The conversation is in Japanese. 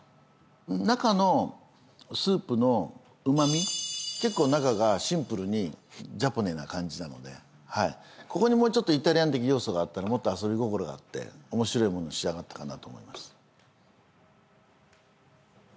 中のスープのうまみ結構中がシンプルにジャポネな感じなのでここにもうちょっとイタリアン的要素があったらもっと遊び心があっておもしろいものに仕上がったかなと思います